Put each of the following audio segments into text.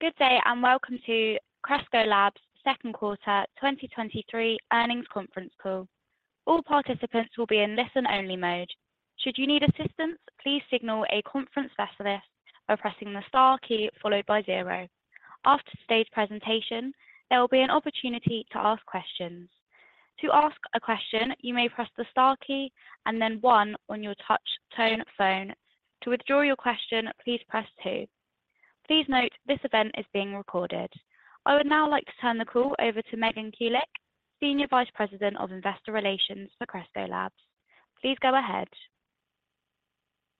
Good day, and welcome to Cresco Labs' second quarter 2023 earnings conference call. All participants will be in listen-only mode. Should you need assistance, please signal a conference specialist by pressing the star key, followed by 0. After today's presentation, there will be an opportunity to ask questions. To ask a question, you may press the star key and then 1 on your touch tone phone. To withdraw your question, please press 2. Please note, this event is being recorded. I would now like to turn the call over to Megan Kulick, Senior Vice President of Investor Relations for Cresco Labs. Please go ahead.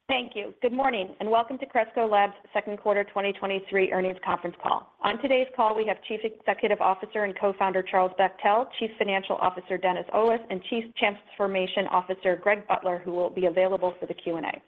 Thank you. Good morning, welcome to Cresco Labs' second quarter 2023 earnings conference call. On today's call, we have Chief Executive Officer and Co-founder, Charlie Bachtell, Chief Financial Officer, Dennis Olis, and Chief Transformation Officer, Greg Butler, who will be available for the Q&A.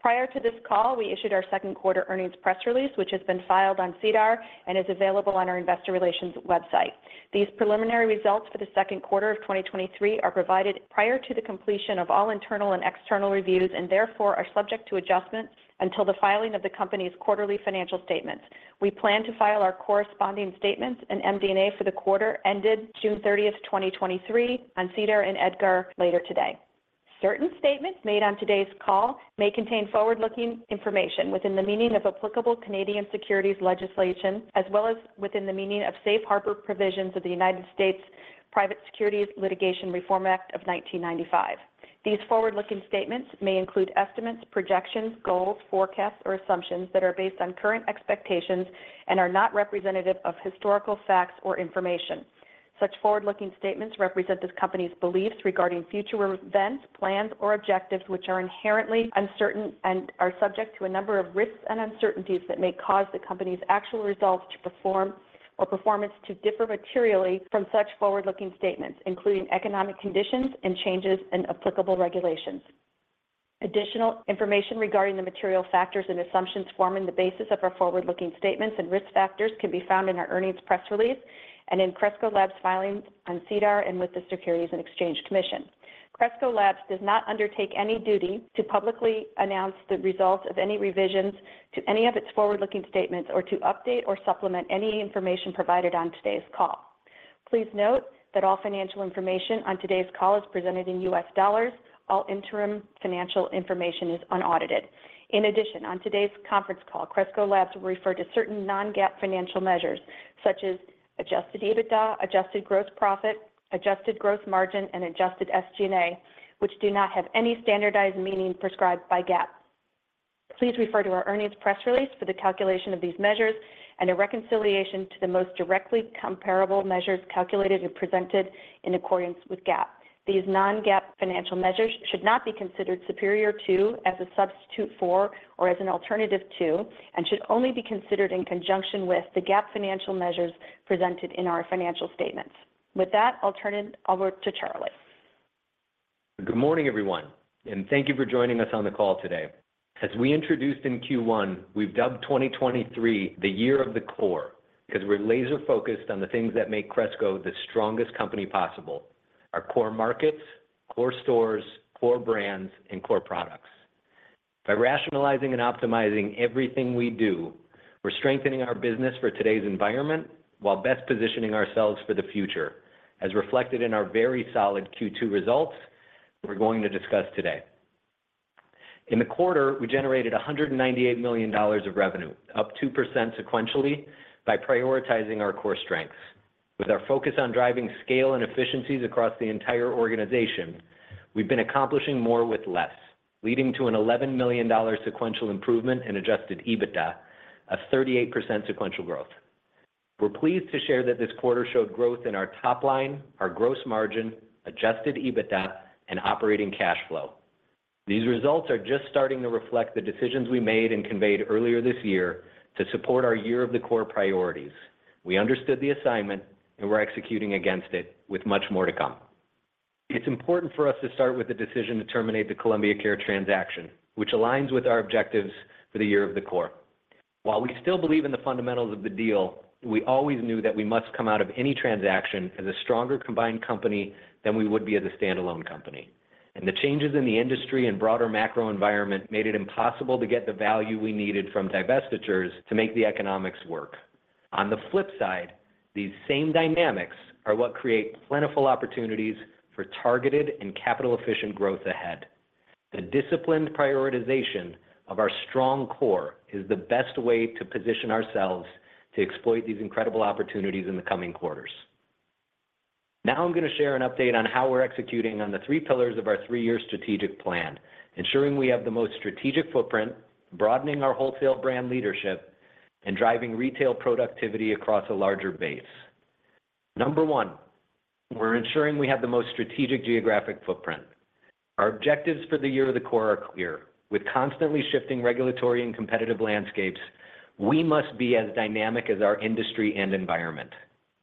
Prior to this call, we issued our second quarter earnings press release, which has been filed on SEDAR and is available on our investor relations website. These preliminary results for the second quarter of 2023 are provided prior to the completion of all internal and external reviews, and therefore are subject to adjustments until the filing of the company's quarterly financial statements. We plan to file our corresponding statements and MD&A for the quarter ended June 30th, 2023 on SEDAR and EDGAR later today. Certain statements made on today's call may contain forward-looking information within the meaning of applicable Canadian securities legislation, as well as within the meaning of safe harbor provisions of the United States Private Securities Litigation Reform Act of 1995. These forward-looking statements may include estimates, projections, goals, forecasts, or assumptions that are based on current expectations and are not representative of historical facts or information. Such forward-looking statements represent this company's beliefs regarding future events, plans, or objectives, which are inherently uncertain and are subject to a number of risks and uncertainties that may cause the company's actual results to perform or performance to differ materially from such forward-looking statements, including economic conditions and changes in applicable regulations. Additional information regarding the material factors and assumptions forming the basis of our forward-looking statements and risk factors can be found in our earnings press release and in Cresco Labs' filings on SEDAR and with the Securities and Exchange Commission. Cresco Labs does not undertake any duty to publicly announce the results of any revisions to any of its forward-looking statements or to update or supplement any information provided on today's call. Please note that all financial information on today's call is presented in US dollars. All interim financial information is unaudited. In addition, on today's conference call, Cresco Labs will refer to certain non-GAAP financial measures, such as adjusted EBITDA, adjusted gross profit, adjusted gross margin, and adjusted SG&A, which do not have any standardized meaning prescribed by GAAP. Please refer to our earnings press release for the calculation of these measures and a reconciliation to the most directly comparable measures calculated and presented in accordance with GAAP. These non-GAAP financial measures should not be considered superior to, as a substitute for, or as an alternative to, and should only be considered in conjunction with the GAAP financial measures presented in our financial statements. With that, I'll turn it over to Charlie. Good morning, everyone, and thank you for joining us on the call today. As we introduced in Q1, we've dubbed 2023 "Year of the Core," because we're laser-focused on the things that make Cresco the strongest company possible: our core markets, core stores, core brands, and core products. By rationalizing and optimizing everything we do, we're strengthening our business for today's environment while best positioning ourselves for the future, as reflected in our very solid Q2 results we're going to discuss today. In the quarter, we generated $198 million of revenue, up 2% sequentially, by prioritizing our core strengths. With our focus on driving scale and efficiencies across the entire organization, we've been accomplishing more with less, leading to an $11 million sequential improvement in adjusted EBITDA, a 38% sequential growth. We're pleased to share that this quarter showed growth in our top line, our gross margin, adjusted EBITDA, and operating cash flow. These results are just starting to reflect the decisions we made and conveyed earlier this year to support our Year of the Core priorities. We understood the assignment, and we're executing against it with much more to come. It's important for us to start with the decision to terminate the Columbia Care transaction, which aligns with our objectives for the Year of the Core. While we still believe in the fundamentals of the deal, we always knew that we must come out of any transaction as a stronger combined company than we would be as a standalone company, the changes in the industry and broader macro environment made it impossible to get the value we needed from divestitures to make the economics work. On the flip side, these same dynamics are what create plentiful opportunities for targeted and capital-efficient growth ahead. The disciplined prioritization of our strong core is the best way to position ourselves to exploit these incredible opportunities in the coming quarters. Now, I'm gonna share an update on how we're executing on the three pillars of our three-year strategic plan: ensuring we have the most strategic footprint, broadening our wholesale brand leadership, and driving retail productivity across a larger base. Number one, we're ensuring we have the most strategic geographic footprint. Our objectives for the Year of the Core are clear. With constantly shifting regulatory and competitive landscapes, we must be as dynamic as our industry and environment.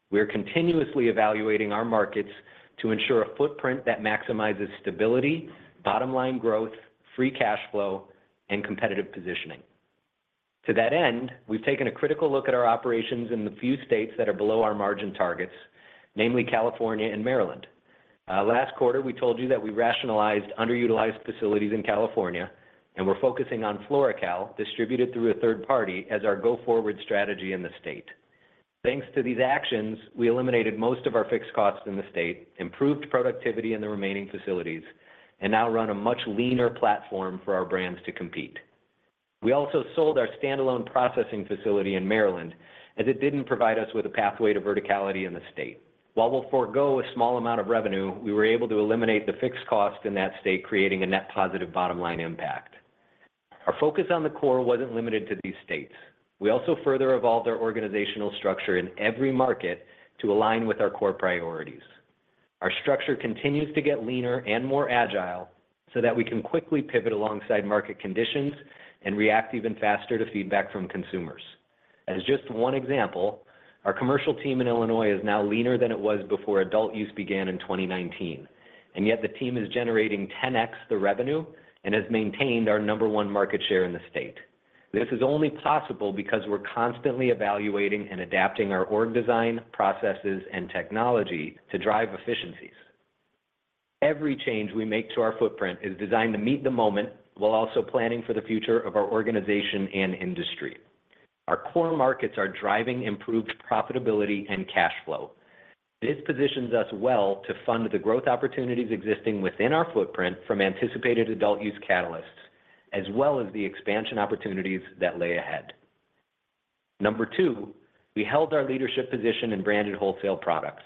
We are continuously evaluating our markets to ensure a footprint that maximizes stability, bottom-line growth, free cash flow, and competitive positioning. To that end, we've taken a critical look at our operations in the few states that are below our margin targets, namely California and Maryland. Last quarter, we told you that we rationalized underutilized facilities in California, and we're focusing on FloraCal, distributed through a third party, as our go-forward strategy in the state. Thanks to these actions, we eliminated most of our fixed costs in the state, improved productivity in the remaining facilities, and now run a much leaner platform for our brands to compete. We also sold our standalone processing facility in Maryland, as it didn't provide us with a pathway to verticality in the state. While we'll forego a small amount of revenue, we were able to eliminate the fixed cost in that state, creating a net positive bottom line impact. Our focus on the core wasn't limited to these states. We also further evolved our organizational structure in every market to align with our core priorities. Our structure continues to get leaner and more agile so that we can quickly pivot alongside market conditions and react even faster to feedback from consumers. As just one example, our commercial team in Illinois is now leaner than it was before adult use began in 2019, and yet the team is generating 10x the revenue and has maintained our number one market share in the state. This is only possible because we're constantly evaluating and adapting our org design, processes, and technology to drive efficiencies. Every change we make to our footprint is designed to meet the moment, while also planning for the future of our organization and industry. Our core markets are driving improved profitability and cash flow. This positions us well to fund the growth opportunities existing within our footprint from anticipated adult use catalysts, as well as the expansion opportunities that lay ahead. Number two, we held our leadership position in branded wholesale products.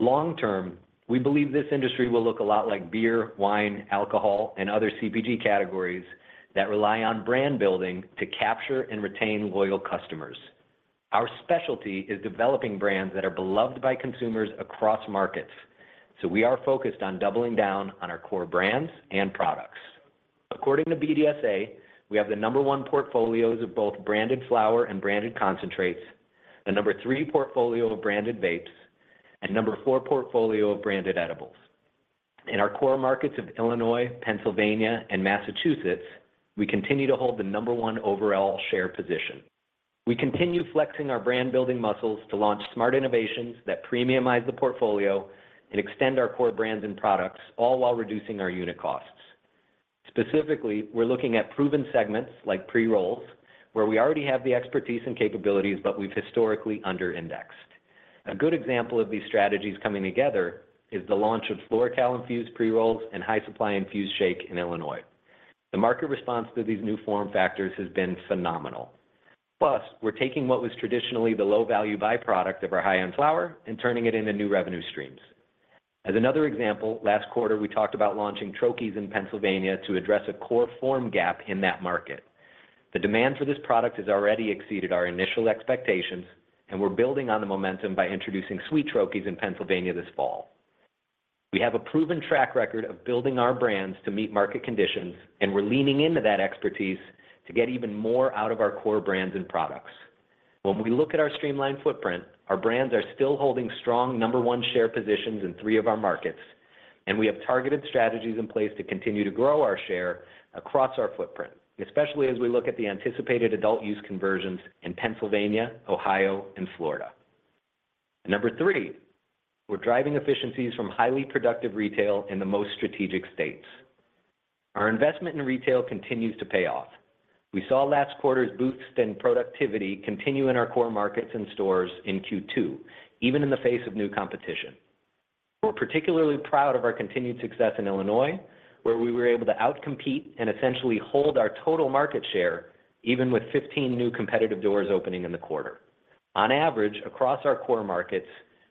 Long term, we believe this industry will look a lot like beer, wine, alcohol, and other CPG categories that rely on brand building to capture and retain loyal customers. Our specialty is developing brands that are beloved by consumers across markets, so we are focused on doubling down on our core brands and products. According to BDSA, we have the number one portfolios of both branded flower and branded concentrates, the number three portfolio of branded vapes, and number four portfolio of branded edibles. In our core markets of Illinois, Pennsylvania, and Massachusetts, we continue to hold the number one overall share position. We continue flexing our brand building muscles to launch smart innovations that premiumize the portfolio and extend our core brands and products, all while reducing our unit costs. Specifically, we're looking at proven segments like pre-rolls, where we already have the expertise and capabilities, but we've historically under-indexed. A good example of these strategies coming together is the launch of FloraCal Infused Pre-Rolls and High Supply Infused Shake in Illinois. The market response to these new form factors has been phenomenal. Plus, we're taking what was traditionally the low-value byproduct of our high-end flower and turning it into new revenue streams. As another example, last quarter, we talked about launching troches in Pennsylvania to address a core form gap in that market. The demand for this product has already exceeded our initial expectations, and we're building on the momentum by introducing Sweet Troches in Pennsylvania this fall. We have a proven track record of building our brands to meet market conditions, and we're leaning into that expertise to get even more out of our core brands and products. When we look at our streamlined footprint, our brands are still holding strong number 1 share positions in 3 of our markets, and we have targeted strategies in place to continue to grow our share across our footprint, especially as we look at the anticipated adult use conversions in Pennsylvania, Ohio, and Florida. Number 3, we're driving efficiencies from highly productive retail in the most strategic states. Our investment in retail continues to pay off. We saw last quarter's boost in productivity continue in our core markets and stores in Q2, even in the face of new competition. We're particularly proud of our continued success in Illinois, where we were able to out-compete and essentially hold our total market share, even with 15 new competitive doors opening in the quarter. On average, across our core markets,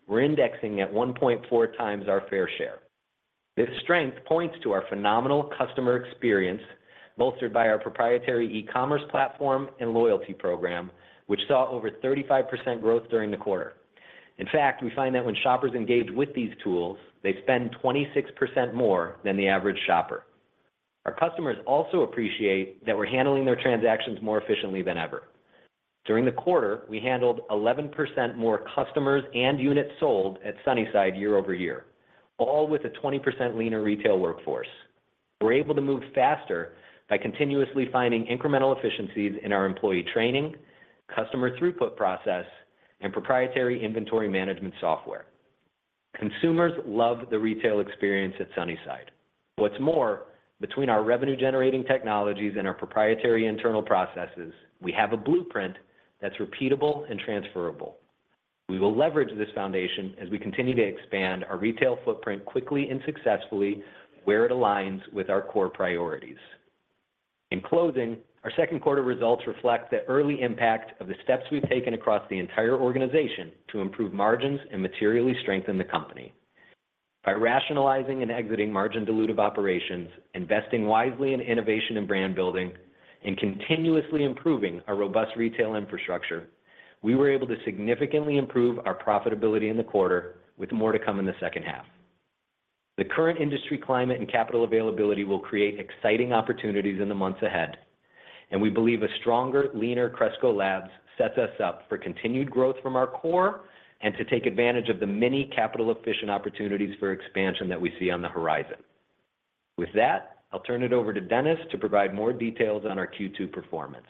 we're indexing at 1.4x our fair share. This strength points to our phenomenal customer experience, bolstered by our proprietary e-commerce platform and loyalty program, which saw over 35% growth during the quarter. In fact, we find that when shoppers engage with these tools, they spend 26% more than the average shopper. Our customers also appreciate that we're handling their transactions more efficiently than ever. During the quarter, we handled 11% more customers and units sold at Sunnyside year-over-year, all with a 20% leaner retail workforce. We're able to move faster by continuously finding incremental efficiencies in our employee training, customer throughput process, and proprietary inventory management software. Consumers love the retail experience at Sunnyside. What's more, between our revenue-generating technologies and our proprietary internal processes, we have a blueprint that's repeatable and transferable. We will leverage this foundation as we continue to expand our retail footprint quickly and successfully, where it aligns with our core priorities. In closing, our second quarter results reflect the early impact of the steps we've taken across the entire organization to improve margins and materially strengthen the company. By rationalizing and exiting margin-dilutive operations, investing wisely in innovation and brand building, and continuously improving our robust retail infrastructure, we were able to significantly improve our profitability in the quarter, with more to come in the second half. The current industry climate and capital availability will create exciting opportunities in the months ahead, and we believe a stronger, leaner Cresco Labs sets us up for continued growth from our core and to take advantage of the many capital-efficient opportunities for expansion that we see on the horizon. With that, I'll turn it over to Dennis to provide more details on our Q2 performance....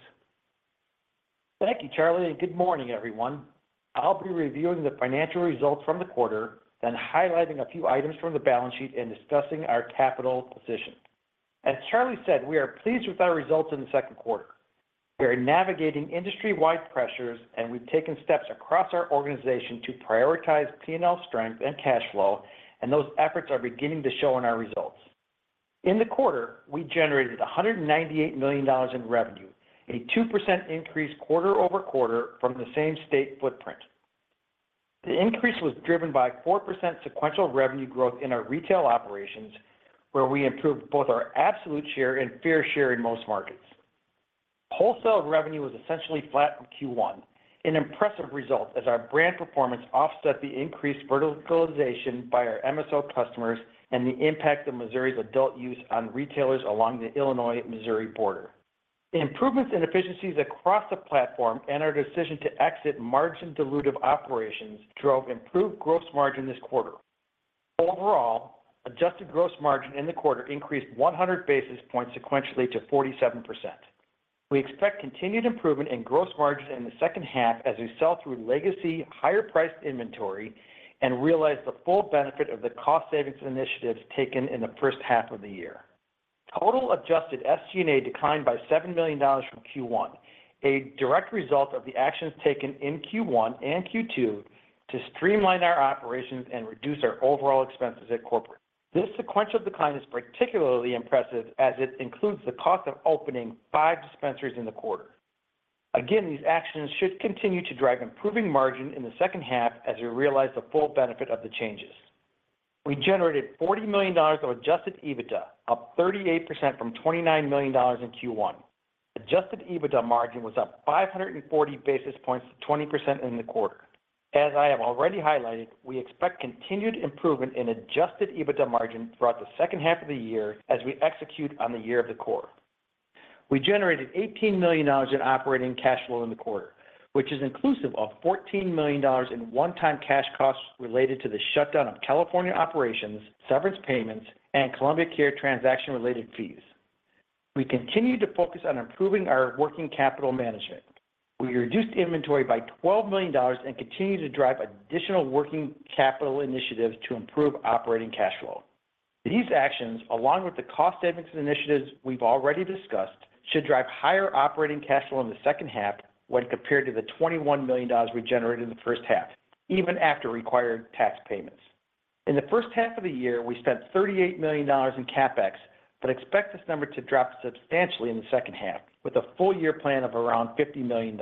Thank you, Charlie, and good morning, everyone. I'll be reviewing the financial results from the quarter, then highlighting a few items from the balance sheet and discussing our capital position. As Charlie said, we are pleased with our results in the second quarter. We are navigating industry-wide pressures, and we've taken steps across our organization to prioritize P&L strength and cash flow, and those efforts are beginning to show in our results. In the quarter, we generated $198 million in revenue, a 2% increase quarter-over-quarter from the same state footprint. The increase was driven by 4% sequential revenue growth in our retail operations, where we improved both our absolute share and fair share in most markets. Wholesale revenue was essentially flat from Q1, an impressive result as our brand performance offset the increased verticalization by our MSO customers and the impact of Missouri's adult use on retailers along the Illinois-Missouri border. Improvements in efficiencies across the platform and our decision to exit margin-dilutive operations drove improved gross margin this quarter. Overall, adjusted gross margin in the quarter increased 100 basis points sequentially to 47%. We expect continued improvement in gross margin in the second half as we sell through legacy higher-priced inventory and realize the full benefit of the cost savings initiatives taken in the first half of the year. Total adjusted SG&A declined by $7 million from Q1, a direct result of the actions taken in Q1 and Q2 to streamline our operations and reduce our overall expenses at corporate. This sequential decline is particularly impressive as it includes the cost of opening five dispensaries in the quarter. Again, these actions should continue to drive improving margin in the second half as we realize the full benefit of the changes. We generated $40 million of adjusted EBITDA, up 38% from $29 million in Q1. Adjusted EBITDA margin was up 540 basis points to 20% in the quarter. As I have already highlighted, we expect continued improvement in adjusted EBITDA margin throughout the second half of the year as we execute on the Year of the Core. We generated $18 million in operating cash flow in the quarter, which is inclusive of $14 million in one-time cash costs related to the shutdown of California operations, severance payments, and Columbia Care transaction-related fees. We continue to focus on improving our working capital management. We reduced inventory by $12 million and continue to drive additional working capital initiatives to improve operating cash flow. These actions, along with the cost savings initiatives we've already discussed, should drive higher operating cash flow in the second half when compared to the $21 million we generated in the first half, even after required tax payments. In the first half of the year, we spent $38 million in CapEx, but expect this number to drop substantially in the second half with a full year plan of around $50 million.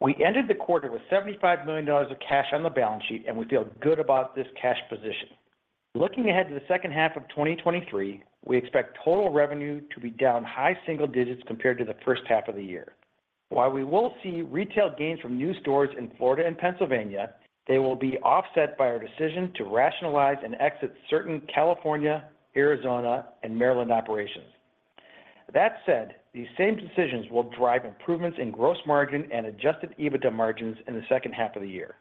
We ended the quarter with $75 million of cash on the balance sheet, and we feel good about this cash position. Looking ahead to the second half of 2023, we expect total revenue to be down high single digits compared to the first half of the year. While we will see retail gains from new stores in Florida and Pennsylvania, they will be offset by our decision to rationalize and exit certain California, Arizona, and Maryland operations. That said, these same decisions will drive improvements in gross margin and adjusted EBITDA margins in the second half of the year.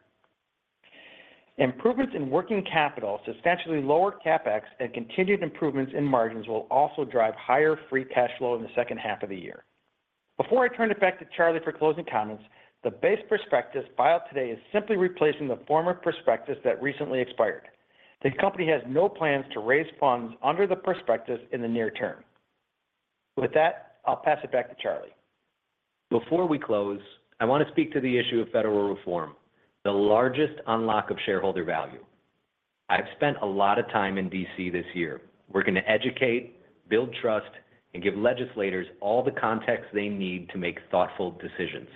Improvements in working capital, substantially lower CapEx, and continued improvements in margins will also drive higher free cash flow in the second half of the year. Before I turn it back to Charlie for closing comments, the base prospectus filed today is simply replacing the former prospectus that recently expired. The company has no plans to raise funds under the prospectus in the near term. With that, I'll pass it back to Charlie. Before we close, I want to speak to the issue of federal reform, the largest unlock of shareholder value. I've spent a lot of time in DC this year, working to educate, build trust, and give legislators all the context they need to make thoughtful decisions.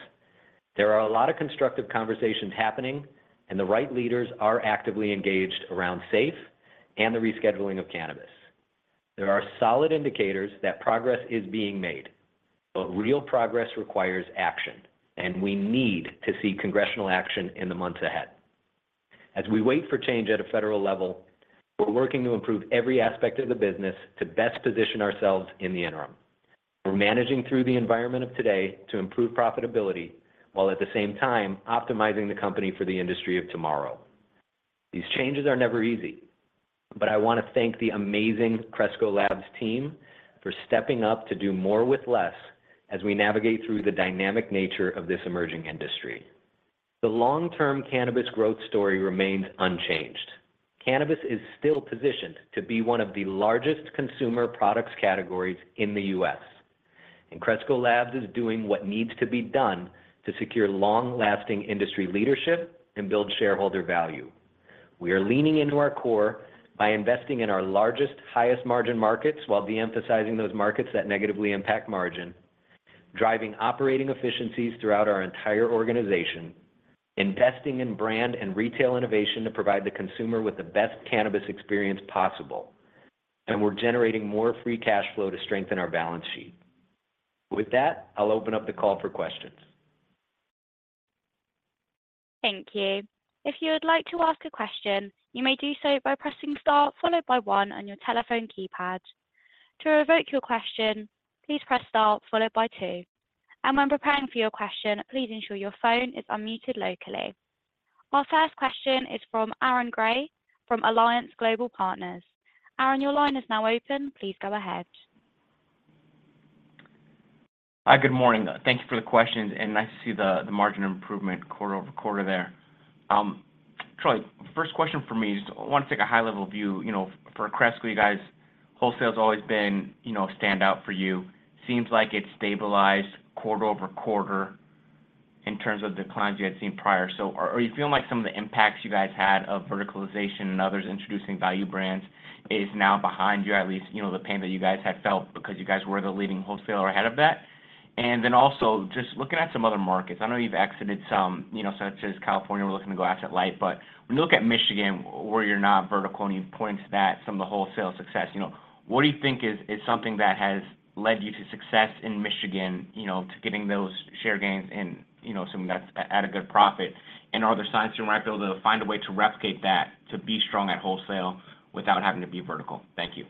There are a lot of constructive conversations happening. The right leaders are actively engaged around SAFE and the rescheduling of cannabis. There are solid indicators that progress is being made. Real progress requires action, and we need to see congressional action in the months ahead. As we wait for change at a federal level, we're working to improve every aspect of the business to best position ourselves in the interim. We're managing through the environment of today to improve profitability, while at the same time optimizing the company for the industry of tomorrow. These changes are never easy, but I want to thank the amazing Cresco Labs team for stepping up to do more with less as we navigate through the dynamic nature of this emerging industry. The long-term cannabis growth story remains unchanged. Cannabis is still positioned to be one of the largest consumer products categories in the US, and Cresco Labs is doing what needs to be done to secure long-lasting industry leadership and build shareholder value. We are leaning into our core by investing in our largest, highest-margin markets, while de-emphasizing those markets that negatively impact margin, driving operating efficiencies throughout our entire organization, investing in brand and retail innovation to provide the consumer with the best cannabis experience possible, and we're generating more free cash flow to strengthen our balance sheet. With that, I'll open up the call for questions. Thank you. If you would like to ask a question, you may do so by pressing star, followed by one on your telephone keypad. To revoke your question, please press star followed by two. When preparing for your question, please ensure your phone is unmuted locally. Our first question is from Aaron Grey, from Alliance Global Partners. Aaron, your line is now open. Please go ahead. Hi, good morning. Thank you for the questions, and nice to see the, the margin improvement quarter-over-quarter there. Charlie, first question for me is, I want to take a high level view, you know, for Cresco, you guys, wholesale's always been, you know, a standout for you. Seems like it's stabilized quarter-over-quarter in terms of declines you had seen prior. Are, are you feeling like some of the impacts you guys had of verticalization and others introducing value brands is now behind you? At least, you know, the pain that you guys had felt because you guys were the leading wholesaler ahead of that. Then also, just looking at some other markets, I know you've exited some, you know, such as California, we're looking to go out at light. When you look at Michigan, where you're not vertical, and you point to that some of the wholesale success, you know, what do you think is, is something that has led you to success in Michigan, you know, to getting those share gains and, you know, something that's at, at a good profit? Are there signs you might be able to find a way to replicate that, to be strong at wholesale without having to be vertical? Thank you.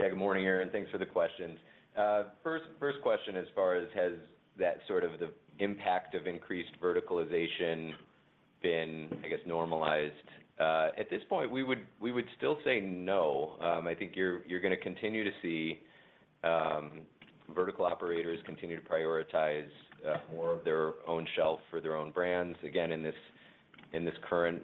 Yeah, good morning, Aaron. Thanks for the questions. First, first question as far as has that sort of the impact of increased verticalization been, I guess, normalized? At this point, we would, we would still say no. I think you're, you're gonna continue to see vertical operators continue to prioritize more of their own shelf for their own brands. Again, in this current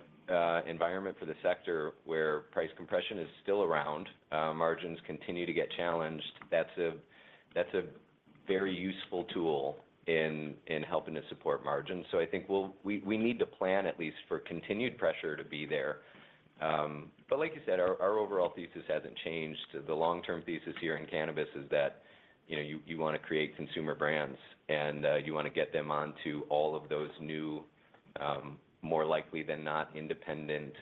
environment for the sector, where price compression is still around, margins continue to get challenged. That's a very useful tool in helping to support margins. I think we'll- we, we need to plan at least for continued pressure to be there. Like you said, our, our overall thesis hasn't changed. The long-term thesis here in cannabis is that, you know, you, you wanna create consumer brands, and you wanna get them onto all of those new, more likely than not, independent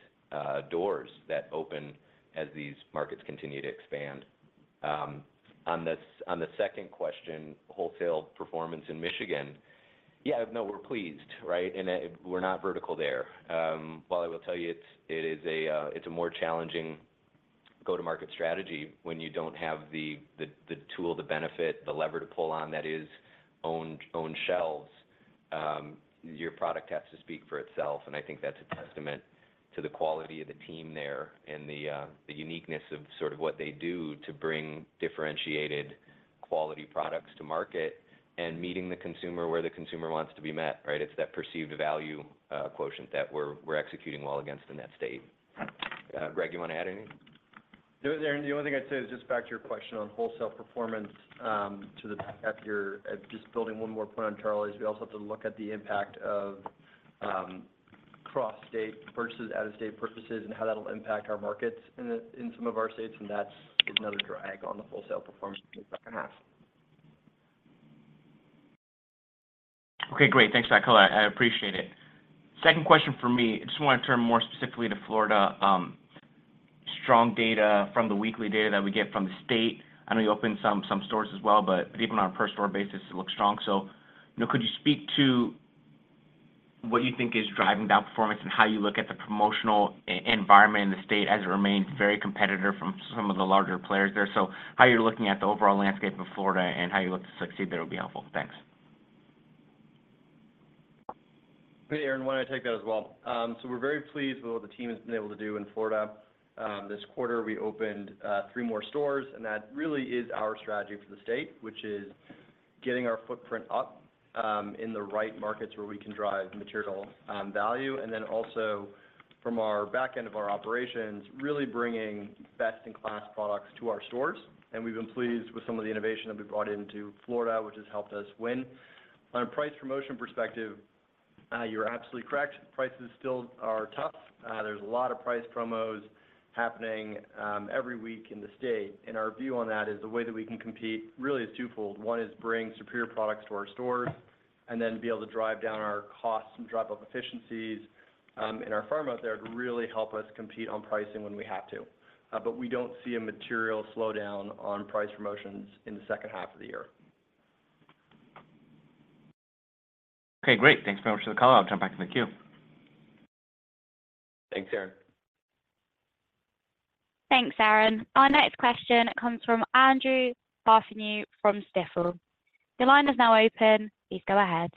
doors that open as these markets continue to expand. On the second question, wholesale performance in Michigan. Yeah, no, we're pleased, right? We're not vertical there. While I will tell you, it is a, it's a more challenging go-to-market strategy when you don't have the, the, the tool, the benefit, the lever to pull on that is owned, own shelves. Your product has to speak for itself, and I think that's a testament to the quality of the team there and the uniqueness of sort of what they do to bring differentiated quality products to market and meeting the consumer where the consumer wants to be met, right? It's that perceived value quotient that we're, we're executing well against in that state. Greg, you want to add anything? No, Aaron, the only thing I'd say is just back to your question on wholesale performance. After just building one more point on Charlie's, we also have to look at the impact of cross-state purchases, out-of-state purchases, and how that'll impact our markets in some of our states, and that's another drag on the wholesale performance in the second half. Okay, great. Thanks for that call. I, I appreciate it. Second question for me, I just want to turn more specifically to Florida. Strong data from the weekly data that we get from the state. I know you opened some, some stores as well, but even on a per store basis, it looks strong. You know, could you speak to what you think is driving that performance and how you look at the promotional e- environment in the state as it remains very competitive from some of the larger players there? How you're looking at the overall landscape of Florida and how you look to succeed there will be helpful. Thanks. Hey, Aaron, why don't I take that as well? We're very pleased with what the team has been able to do in Florida. This quarter, we opened three more stores, and that really is our strategy for the state, which is getting our footprint up in the right markets where we can drive material value. Also from our back end of our operations, really bringing best-in-class products to our stores. We've been pleased with some of the innovation that we brought into Florida, which has helped us win. On a price promotion perspective, you're absolutely correct. Prices still are tough. There's a lot of price promos happening every week in the state. Our view on that is the way that we can compete really is twofold. One is bring superior products to our stores, and then be able to drive down our costs and drive up efficiencies, in our farm out there to really help us compete on pricing when we have to. We don't see a material slowdown on price promotions in the second half of the year. Okay, great. Thanks very much for the call. I'll jump back to the queue. Thanks, Aaron. Thanks, Aaron. Our next question comes from Andrew Partheniou from Stifel. Your line is now open. Please go ahead.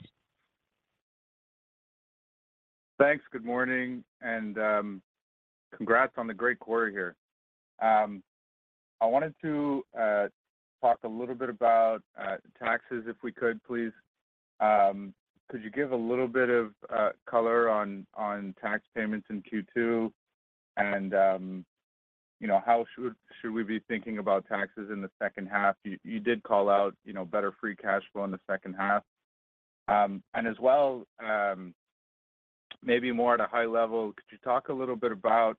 Thanks. Good morning, congrats on the great quarter here. I wanted to talk a little bit about taxes, if we could, please. Could you give a little bit of color on tax payments in Q2? You know, how should, should we be thinking about taxes in the second half? You, you did call out, you know, better free cash flow in the second half. As well, maybe more at a high level, could you talk a little bit about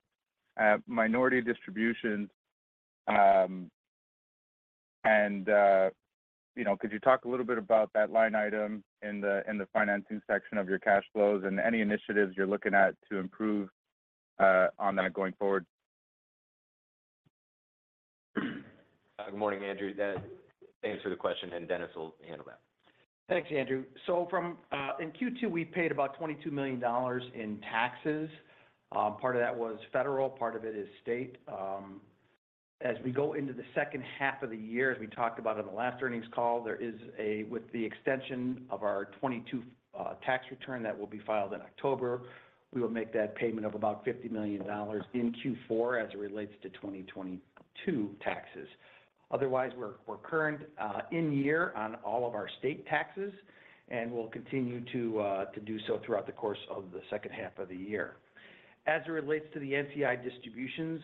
minority distributions? You know, could you talk a little bit about that line item in the financing section of your cash flows and any initiatives you're looking at to improve on that going forward? Good morning, Andrew. Thanks for the question, and Dennis will handle that. Thanks, Andrew. From in Q2, we paid about $22 million in taxes. Part of that was federal, part of it is state.... As we go into the second half of the year, as we talked about on the last earnings call, there is a, with the extension of our 2022 tax return that will be filed in October, we will make that payment of about $50 million in Q4 as it relates to 2022 taxes. Otherwise, we're, we're current in year on all of our state taxes, and we'll continue to do so throughout the course of the second half of the year. As it relates to the NCI distributions,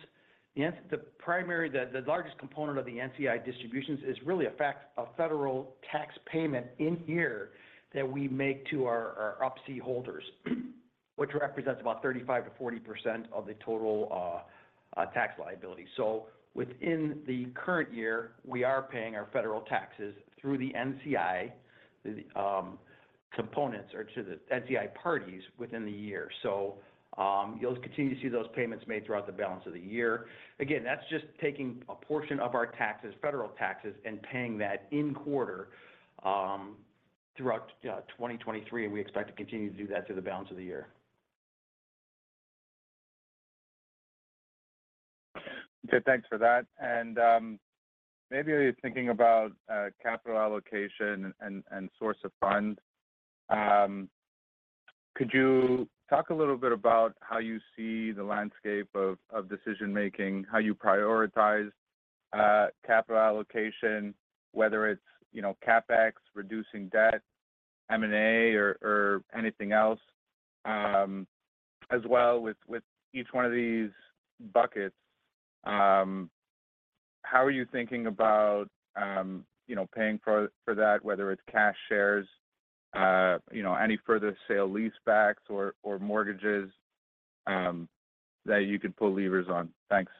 the primary, the largest component of the NCI distributions is really a fact, a federal tax payment in here that we make to our our UP-C holders, which represents about 35%-40% of the total tax liability. Within the current year, we are paying our federal taxes through the NCI, the components or to the NCI parties within the year. You'll continue to see those payments made throughout the balance of the year. Again, that's just taking a portion of our taxes, federal taxes, and paying that in quarter throughout 2023, and we expect to continue to do that through the balance of the year. Okay, thanks for that. Maybe thinking about, capital allocation and, and, source of funds. Could you talk a little bit about how you see the landscape of, of decision making, how you prioritize, capital allocation, whether it's, you know, CapEx, reducing debt, M&A or, or anything else? As well with, with each one of these buckets, how are you thinking about, you know, paying for, for that, whether it's cash shares, you know, any further sale leasebacks or, or mortgages, that you could pull levers on? Thanks.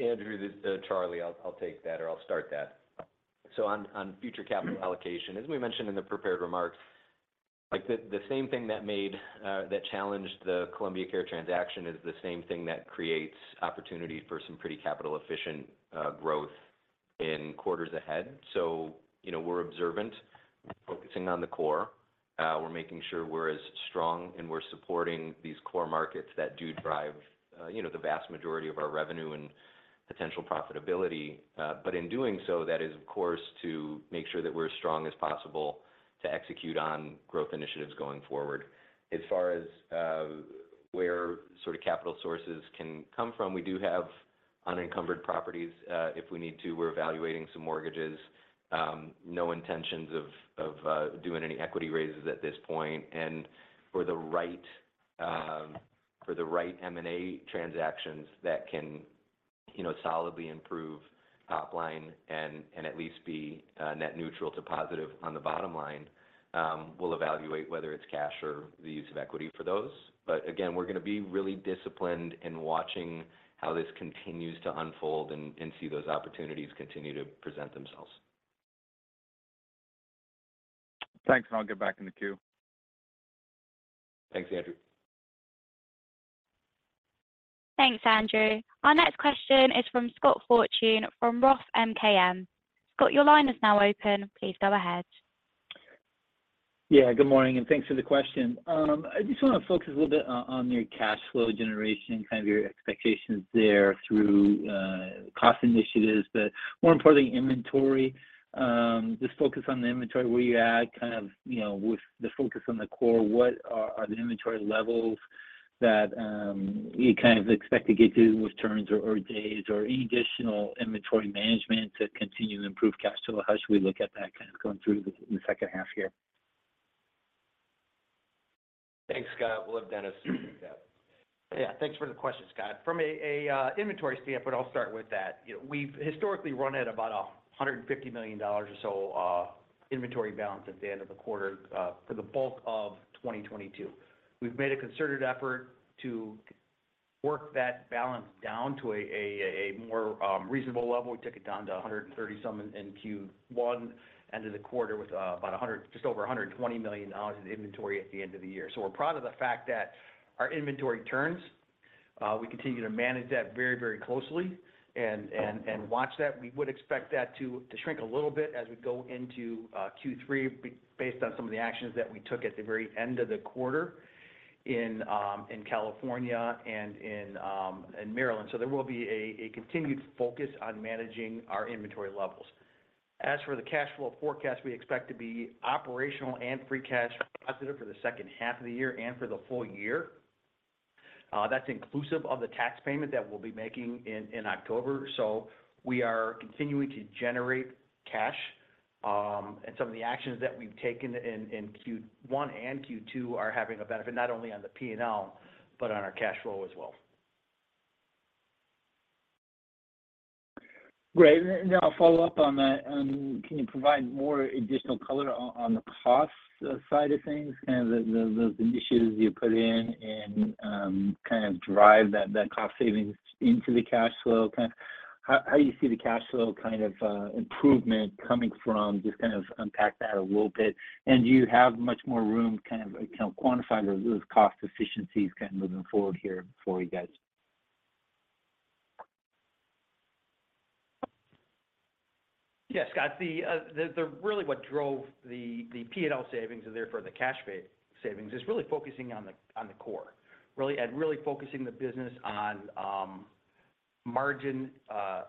Andrew, this is Charlie. I'll take that or I'll start that. On future capital allocation, as we mentioned in the prepared remarks, like, the same thing that made that challenged the Columbia Care transaction is the same thing that creates opportunity for some pretty capital efficient growth in quarters ahead. You know, we're observant, focusing on the core. We're making sure we're as strong and we're supporting these core markets that do drive, you know, the vast majority of our revenue and potential profitability. In doing so, that is, of course, to make sure that we're as strong as possible to execute on growth initiatives going forward. As far as where sort of capital sources can come from, we do have unencumbered properties, if we need to. We're evaluating some mortgages, no intentions of, of, doing any equity raises at this point. For the right, for the right M&A transactions that can, you know, solidly improve top line and, and at least be, net neutral to positive on the bottom line, we'll evaluate whether it's cash or the use of equity for those. Again, we're gonna be really disciplined in watching how this continues to unfold and, and see those opportunities continue to present themselves. Thanks, I'll get back in the queue. Thanks, Andrew. Thanks, Andrew. Our next question is from Scott Fortune, from ROTH MKM. Scott, your line is now open. Please go ahead. Yeah, good morning, and thanks for the question. I just wanna focus a little bit on, on your cash flow generation, kind of your expectations there through cost initiatives, but more importantly, inventory. Just focus on the inventory, where you're at, kind of, you know, with the focus on the core, what are, are the inventory levels that you kind of expect to get to with turns or, or days, or any additional inventory management to continue to improve cash flow? How should we look at that kind of going through the second half here? Thanks, Scott. We'll have Dennis take that. Yeah, thanks for the question, Scott. From a inventory standpoint, I'll start with that. You know, we've historically run at about $150 million or so, inventory balance at the end of the quarter, for the bulk of 2022. We've made a concerted effort to work that balance down to a more, reasonable level. We took it down to $130 some in Q1, ended the quarter with just over $120 million in inventory at the end of the year. So we're proud of the fact that our inventory turns, we continue to manage that very, very closely and, and, and watch that. We would expect that to, to shrink a little bit as we go into Q3, based on some of the actions that we took at the very end of the quarter in California and in Maryland. There will be a, a continued focus on managing our inventory levels. As for the cash flow forecast, we expect to be operational and free cash positive for the second half of the year and for the full year. That's inclusive of the tax payment that we'll be making in October. We are continuing to generate cash, and some of the actions that we've taken in Q1 and Q2 are having a benefit, not only on the P&L, but on our cash flow as well. Great. Now I'll follow up on that. Can you provide more additional color on, on the cost side of things? Kind of the initiatives you put in and, kind of drive that cost savings into the cash flow. How, how do you see the cash flow kind of, improvement coming from? Just kind of unpack that a little bit. Do you have much more room, kind of quantify those, those cost efficiencies kind of moving forward here for you guys? Yeah, Scott, the, the really what drove the P&L savings and therefore the cash savings, is really focusing on the core, really. Really focusing the business on margin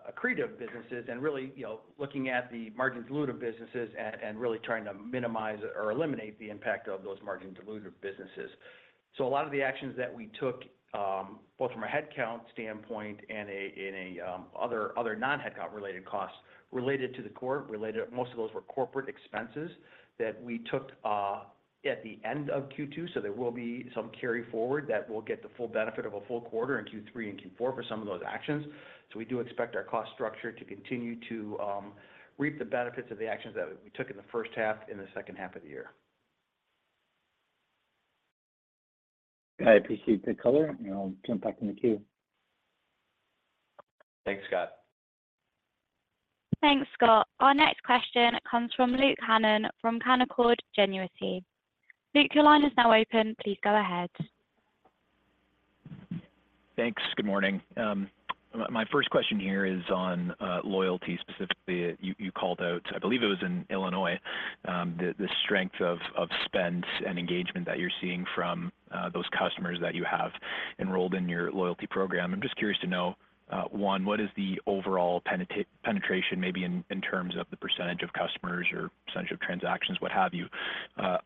accretive businesses, and really, you know, looking at the margin dilutive businesses and, and really trying to minimize or eliminate the impact of those margin dilutive businesses. A lot of the actions that we took, both from a headcount standpoint and a, and a, other, other non-headcount related costs, related to the core, most of those were corporate expenses that we took at the end of Q2. There will be some carry forward that will get the full benefit of a full quarter in Q3 and Q4 for some of those actions. We do expect our cost structure to continue to reap the benefits of the actions that we took in the first half and the second half of the year. I appreciate the color, and I'll jump back in the queue. Thanks, Scott. Thanks, Scott. Our next question comes from Luke Hannan from Canaccord Genuity. Luke, your line is now open. Please go ahead. Thanks. Good morning. My first question here is on loyalty. Specifically, you called out, I believe it was in Illinois, the strength of spend and engagement that you're seeing from those customers that you have enrolled in your loyalty program. I'm just curious to know, one, what is the overall penetration, maybe in, in terms of the percentage of customers or percentage of transactions, what have you,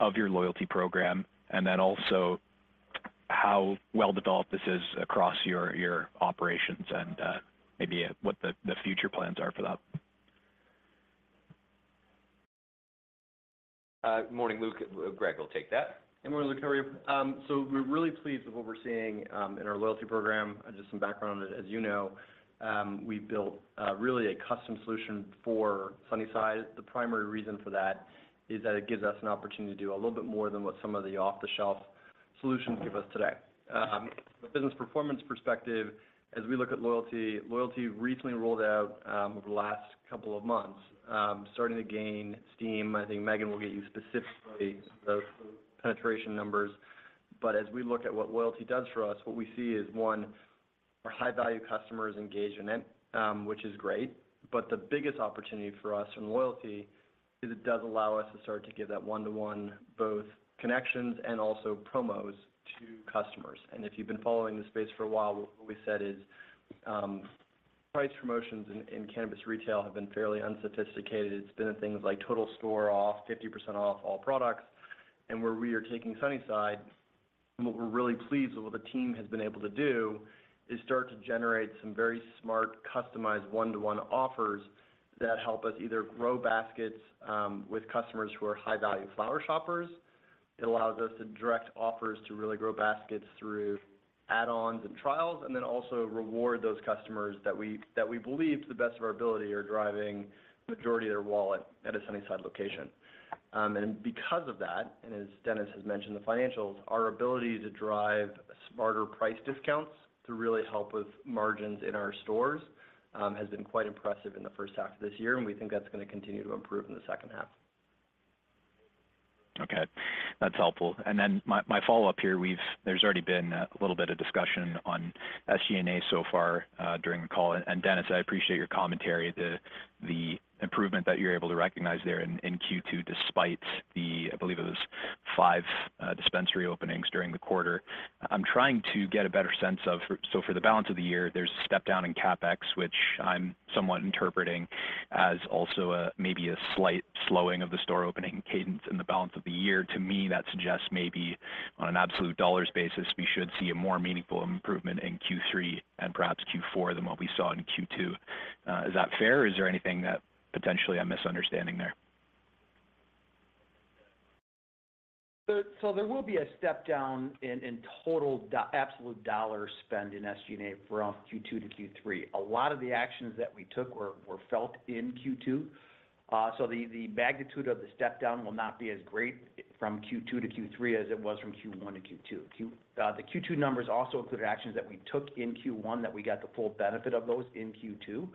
of your loyalty program? Then also, how well developed this is across your operations, and maybe what the future plans are for that? Good morning, Luke. Greg will take that. Good morning, Luke. How are you? We're really pleased with what we're seeing in our loyalty program. Just some background, as you know, we built really a custom solution for Sunnyside. The primary reason for that is that it gives us an opportunity to do a little bit more than what some of the off-the-shelf solutions give us today. From a business performance perspective, as we look at loyalty, loyalty recently rolled out over the last couple of months, starting to gain steam. I think Megan will get you specifically those penetration numbers. As we look at what loyalty does for us, what we see is, 1, our high-value customers engage in it, which is great. The biggest opportunity for us in loyalty is it does allow us to start to give that one-to-one, both connections and also promos to customers. If you've been following this space for a while, what we said is, price promotions in, in cannabis retail have been fairly unsophisticated. It's been in things like total store off, 50% off all products. Where we are taking Sunnyside, and what we're really pleased with what the team has been able to do, is start to generate some very smart, customized, one-to-one offers that help us either grow baskets with customers who are high-value flower shoppers. It allows us to direct offers to really grow baskets through add-ons and trials, and then also reward those customers that we, that we believe, to the best of our ability, are driving majority of their wallet at a Sunnyside location. Because of that, and as Dennis has mentioned, the financials, our ability to drive smarter price discounts to really help with margins in our stores, has been quite impressive in the first half of this year, and we think that's gonna continue to improve in the second half. Okay, that's helpful. Then my, my follow-up here, there's already been a little bit of discussion on SG&A so far, during the call. Dennis, I appreciate your commentary, the, the improvement that you're able to recognize there in, in Q2, despite the, I believe it was 5, dispensary openings during the quarter. I'm trying to get a better sense of, so for the balance of the year, there's a step down in CapEx, which I'm somewhat interpreting as also a, maybe a slight slowing of the store opening cadence in the balance of the year. To me, that suggests maybe on an absolute dollars basis, we should see a more meaningful improvement in Q3 and perhaps Q4 than what we saw in Q2. Is that fair, or is there anything that potentially I'm misunderstanding there? There will be a step down in total absolute dollar spend in SG&A from Q2 to Q3. A lot of the actions that we took were felt in Q2, so the magnitude of the step down will not be as great from Q2 to Q3 as it was from Q1 to Q2. The Q2 numbers also included actions that we took in Q1, that we got the full benefit of those in Q2.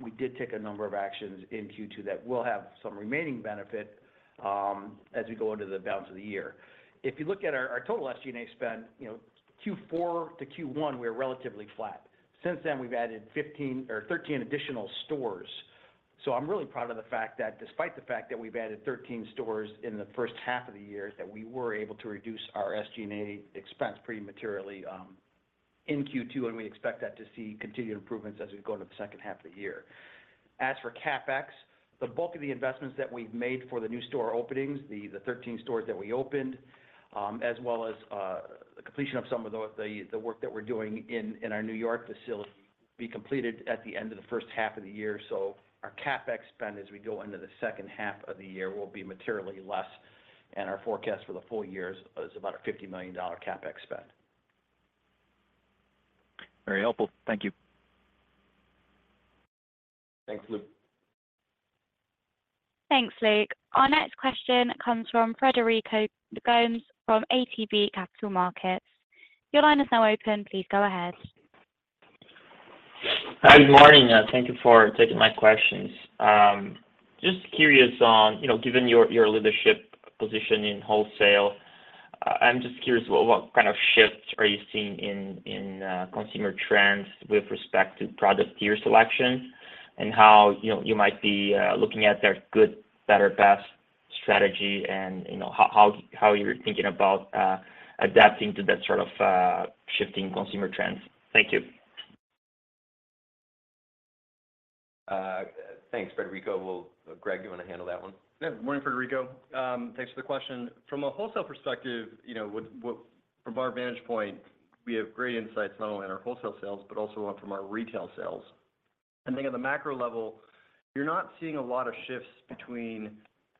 We did take a number of actions in Q2 that will have some remaining benefit as we go into the balance of the year. If you look at our total SG&A spend, you know, Q4 to Q1, we're relatively flat. Since then, we've added 15 or 13 additional stores. I'm really proud of the fact that despite the fact that we've added 13 stores in the first half of the year, that we were able to reduce our SG&A expense pretty materially in Q2, and we expect that to see continued improvements as we go into the second half of the year. As for CapEx, the bulk of the investments that we've made for the new store openings, the 13 stores that we opened, as well as the completion of some of the, the, the work that we're doing in our New York facility, be completed at the end of the first half of the year. Our CapEx spend as we go into the second half of the year, will be materially less, and our forecast for the full year is about a $50 million CapEx spend. Very helpful. Thank you. Thanks, Luke. Thanks, Luke. Our next question comes from Frederico Gomes from ATB Capital Markets. Your line is now open. Please go ahead. Hi, good morning, thank you for taking my questions. Just curious on, you know, given your, your leadership position in wholesale, I'm just curious what, what kind of shifts are you seeing in, in consumer trends with respect to product tier selection, and how, you know, you might be looking at their good, better, best strategy, and, you know, how, how, how you're thinking about adapting to that sort of shifting consumer trends? Thank you. Thanks, Frederico. We'll Greg, you wanna handle that one? Yeah. Morning, Frederico, thanks for the question. From a wholesale perspective, you know, what from our vantage point, we have great insights, not only on our wholesale sales, but also on from our retail sales. I think on the macro level, you're not seeing a lot of shifts between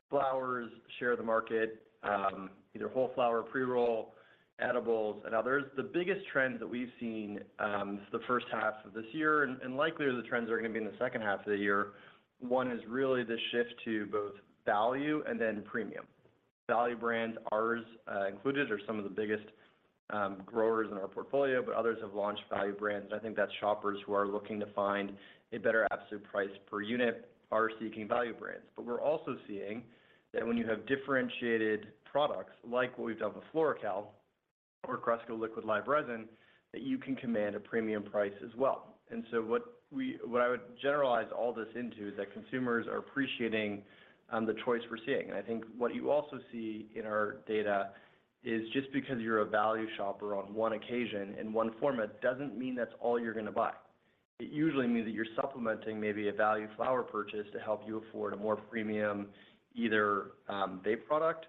flowers, share of the market, either whole flower, pre-roll, edibles, and others. The biggest trends that we've seen, the first half of this year, and likely the trends are gonna be in the second half of the year, one is really the shift to both value and then premium. Value brands, ours, included, are some of the biggest, growers in our portfolio, but others have launched value brands, and I think that's shoppers who are looking to find a better absolute price per unit are seeking value brands. We're also seeing that when you have differentiated products, like what we've done with FloraCal or Cresco Liquid Live Resin, that you can command a premium price as well. What I would generalize all this into, is that consumers are appreciating the choice we're seeing. I think what you also see in our data is just because you're a value shopper on one occasion, in one format, doesn't mean that's all you're gonna buy. It usually means that you're supplementing maybe a value flower purchase to help you afford a more premium, either a vape product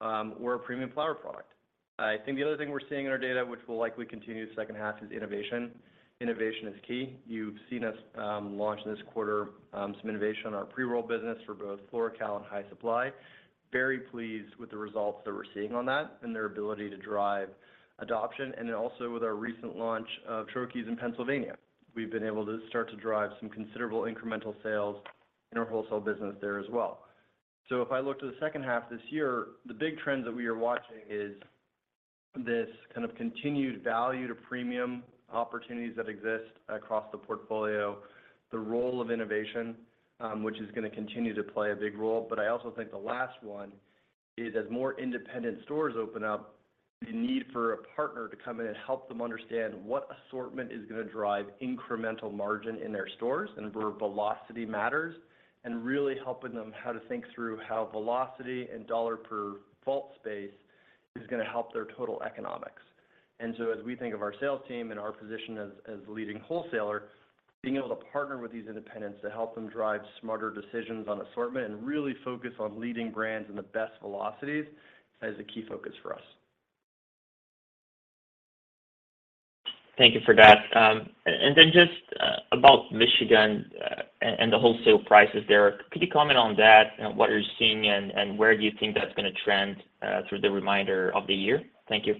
or a premium flower product. I think the other thing we're seeing in our data, which will likely continue second half, is innovation. Innovation is key. You've seen us launch this quarter some innovation on our pre-roll business for both FloraCal and High Supply. Very pleased with the results that we're seeing on that and their ability to drive adoption. Then also with our recent launch of Troches in Pennsylvania, we've been able to start to drive some considerable incremental sales in our wholesale business there as well. If I look to the second half this year, the big trends that we are watching is this kind of continued value to premium opportunities that exist across the portfolio, the role of innovation, which is gonna continue to play a big role, but I also think the last one is, as more independent stores open up, the need for a partner to come in and help them understand what assortment is gonna drive incremental margin in their stores, and where velocity matters, and really helping them how to think through how velocity and dollar per vault space is gonna help their total economics. As we think of our sales team and our position as, as the leading wholesaler, being able to partner with these independents to help them drive smarter decisions on assortment and really focus on leading brands and the best velocities, is a key focus for us. Thank you for that. Just about Michigan, and, and the wholesale prices there. Could you comment on that, and what you're seeing, and, and where do you think that's gonna trend through the remainder of the year? Thank you.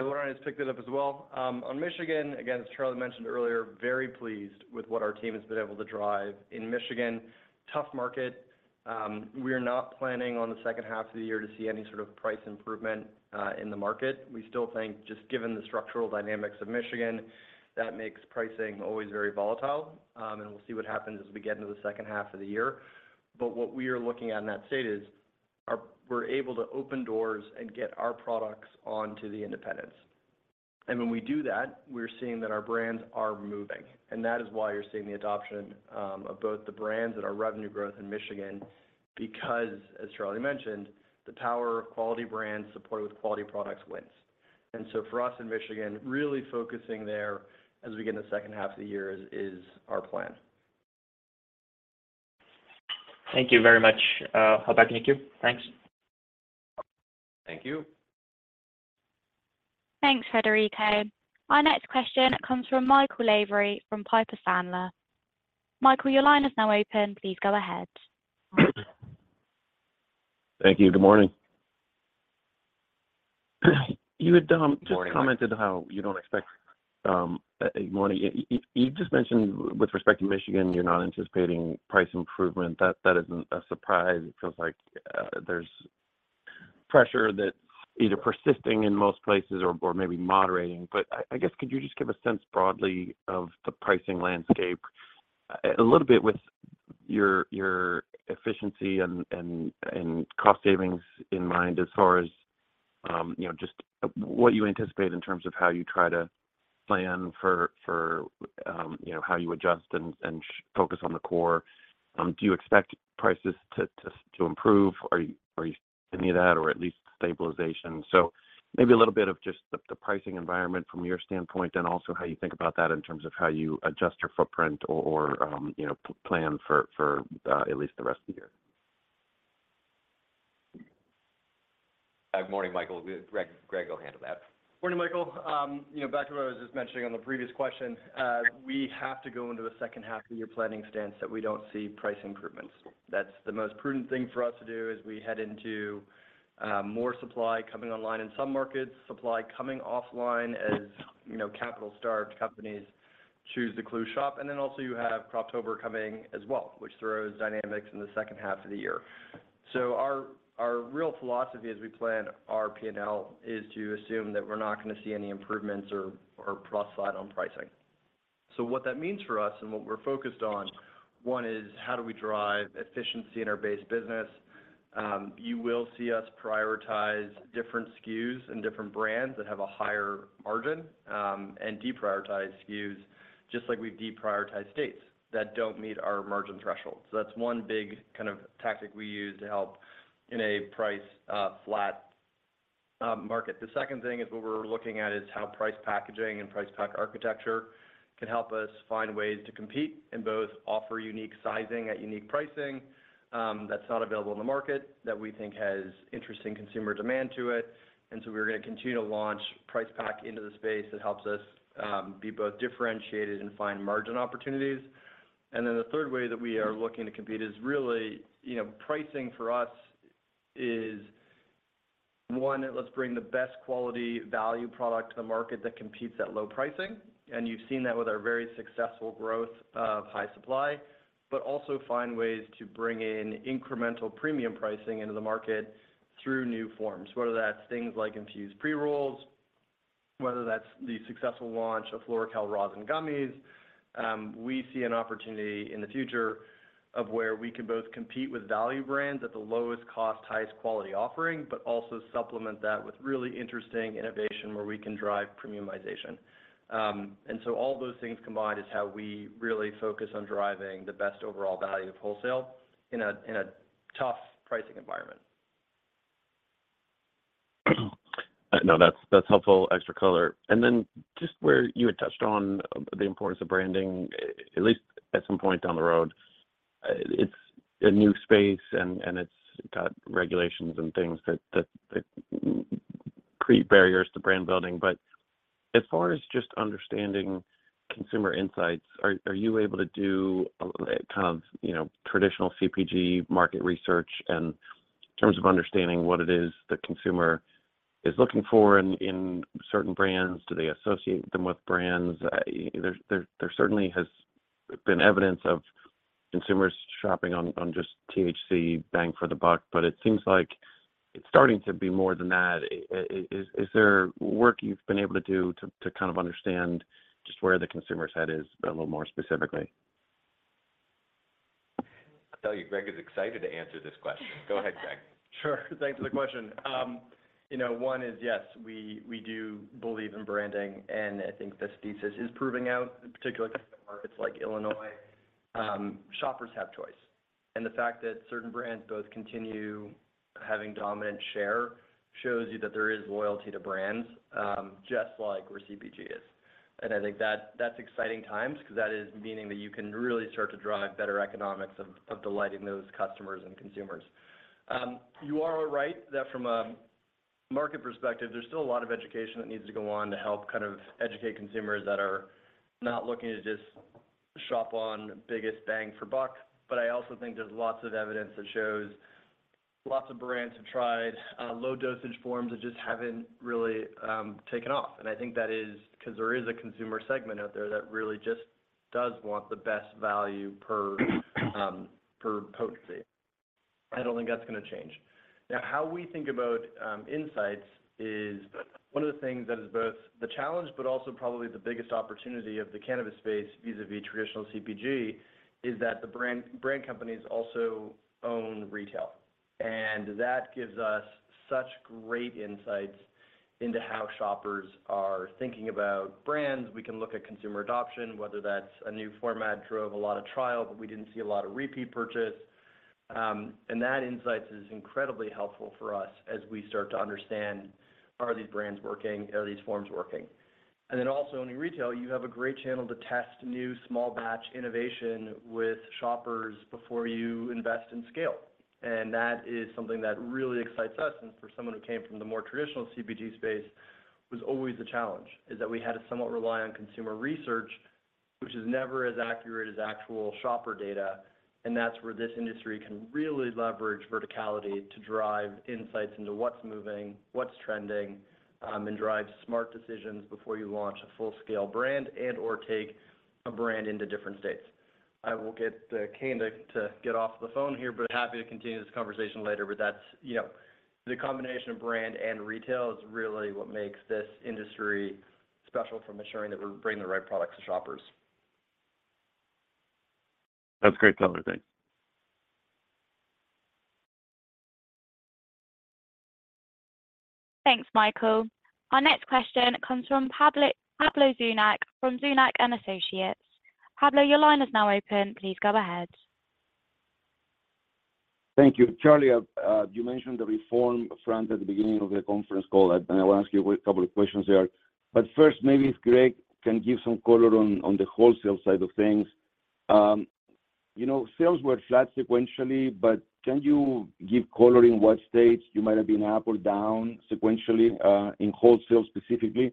Why don't I just picked it up as well. On Michigan, again, as Charlie mentioned earlier, very pleased with what our team has been able to drive in Michigan. Tough market. We are not planning on the second half of the year to see any sort of price improvement in the market. We still think, just given the structural dynamics of Michigan, that makes pricing always very volatile. We'll see what happens as we get into the second half of the year. What we are looking at in that state is, we're able to open doors and get our products onto the independents. When we do that, we're seeing that our brands are moving, and that is why you're seeing the adoption of both the brands and our revenue growth in Michigan, because as Charlie mentioned, the power of quality brands supported with quality products wins. So for us in Michigan, really focusing there as we get in the second half of the year is, is our plan. Thank you very much. I'll back to you. Thanks. Thank you. Thanks, Federico. Our next question comes from Michael Lavery, from Piper Sandler. Michael, your line is now open. Please go ahead. Thank you. Good morning. Good morning, Michael. just commented how you don't expect, good morning. You just mentioned with respect to Michigan, you're not anticipating price improvement. That, that isn't a surprise. It feels like there's pressure that either persisting in most places or, or maybe moderating. I, I guess, could you just give a sense broadly of the pricing landscape, a little bit with your, your efficiency and, and, and cost savings in mind, as far as, you know, just, what you anticipate in terms of how you try to plan for, for, you know, how you adjust and focus on the core? Do you expect prices to, to, to improve? Are you, are you seeing any of that, or at least stabilization? Maybe a little bit of just the, the pricing environment from your standpoint, and also how you think about that in terms of how you adjust your footprint or, or, you know, plan for, for, at least the rest of the year. Morning, Michael. Greg, Greg will handle that. Morning, Michael. you know, back to what I was just mentioning on the previous question, we have to go into the second half of the year planning stance that we don't see price improvements. That's the most prudent thing for us to do as we head into, more supply coming online in some markets, supply coming offline as, you know, capital-starved companies choose the close shop. Then also, you have Croptober coming as well, which throws dynamics in the second half of the year. Our, our real philosophy as we plan our P&L, is to assume that we're not gonna see any improvements or, or cross-slide on pricing. What that means for us and what we're focused on, one is, how do we drive efficiency in our base business? You will see us prioritize different SKUs and different brands that have a higher margin, and deprioritize SKUs, just like we've deprioritized states that don't meet our margin threshold. That's one big kind of tactic we use to help in a price flat market. The second thing is what we're looking at is how price packaging and price pack architecture can help us find ways to compete and both offer unique sizing at unique pricing, that's not available in the market, that we think has interesting consumer demand to it. We're gonna continue to launch price pack into the space that helps us be both differentiated and find margin opportunities. Then the third way that we are looking to compete is really, you know, pricing for us is, one, let's bring the best quality value product to the market that competes at low pricing, and you've seen that with our very successful growth of High Supply, but also find ways to bring in incremental premium pricing into the market through new forms. Whether that's things like infused pre-rolls, whether that's the successful launch of FloraCal rosin gummies, we see an opportunity in the future of where we can both compete with value brands at the lowest cost, highest quality offering, but also supplement that with really interesting innovation where we can drive premiumization. So all those things combined is how we really focus on driving the best overall value of wholesale in a, in a tough pricing environment. No, that's, that's helpful extra color. Then just where you had touched on, the importance of branding, at least at some point down the road, it's a new space and, and it's got regulations and things that, that, that create barriers to brand building. As far as just understanding consumer insights, are, are you able to do, a kind of, you know, traditional CPG market research in terms of understanding what it is the consumer is looking for in, in certain brands? Do they associate them with brands? There, there, there certainly has been evidence of consumers shopping on, on just THC bang for the buck, but it seems like it's starting to be more than that. Is, is there work you've been able to do to, to kind of understand just where the consumer's head is, a little more specifically? I'll tell you, Greg is excited to answer this question. Go ahead, Greg. Sure. Thanks for the question. You know, one is, yes, we, we do believe in branding, and I think this thesis is proving out, in particular, in markets like Illinois. Shoppers have choice, and the fact that certain brands both continue having dominant share, shows you that there is loyalty to brands, just like where CPG is. I think that's exciting times, because that is meaning that you can really start to drive better economics of, of delighting those customers and consumers. You are all right, that from a market perspective, there's still a lot of education that needs to go on to help kind of educate consumers that are not looking to just shop on biggest bang for buck. I also think there's lots of evidence that shows lots of brands have tried, low-dosage forms that just haven't really, taken off. I think that is because there is a consumer segment out there that really just does want the best value per, per potency. I don't think that's gonna change. How we think about, insights is one of the things that is both the challenge, but also probably the biggest opportunity of the cannabis space, vis-a-vis traditional CPG, is that the brand, brand companies also own retail. That gives us such great insights into how shoppers are thinking about brands. We can look at consumer adoption, whether that's a new format, drove a lot of trial, but we didn't see a lot of repeat purchase. That insight is incredibly helpful for us as we start to understand, are these brands working? Are these forms working? Then also in retail, you have a great channel to test new small batch innovation with shoppers before you invest in scale. That is something that really excites us, and for someone who came from the more traditional CPG space, was always a challenge, is that we had to somewhat rely on consumer research, which is never as accurate as actual shopper data. That's where this industry can really leverage verticality to drive insights into what's moving, what's trending, and drive smart decisions before you launch a full-scale brand and/or take a brand into different states. I will get the cane to, to get off the phone here, but happy to continue this conversation later. That's, you know, the combination of brand and retail is really what makes this industry special from ensuring that we're bringing the right products to shoppers. That's great color. Thanks. Thanks, Michael. Our next question comes from Pablo Zuanic, from Zuanic & Associates. Pablo, your line is now open. Please go ahead. Thank you. Charlie, you mentioned the reform front at the beginning of the conference call, and I want to ask you a couple of questions there. First, maybe if Greg can give some color on, on the wholesale side of things. You know, sales were flat sequentially, but can you give color in what states you might have been up or down sequentially, in wholesale specifically?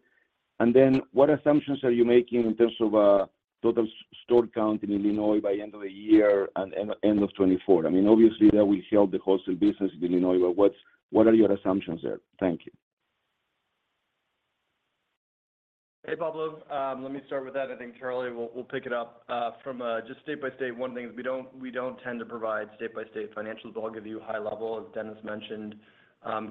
Then, what assumptions are you making in terms of total store count in Illinois by end of the year and end of 2024? I mean, obviously, that we held the wholesale business in Illinois, but what are your assumptions there? Thank you. Hey, Pablo. Let me start with that, I think Charlie will, will pick it up. From just state by state, one thing is we don't, we don't tend to provide state-by-state financials, but I'll give you a high level, as Dennis mentioned.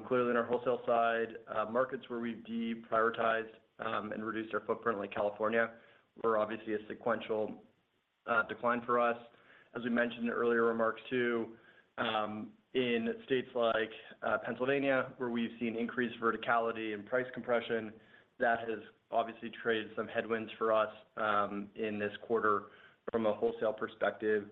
Clearly, in our wholesale side, markets where we've deprioritized, and reduced our footprint, like California, we're obviously a sequential decline for us. As we mentioned in earlier remarks, too, in states like Pennsylvania, where we've seen increased verticality and price compression, that has obviously created some headwinds for us, in this quarter from a wholesale perspective.